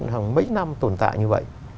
hàng mấy năm tồn tại như vậy